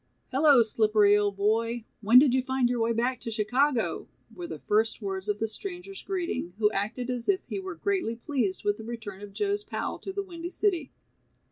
"Hello, Slippery, old boy, when did you find your way back to Chicago?" were the first words of the stranger's greeting, who acted as if he were greatly pleased with the return of Joe's pal to the "Windy City."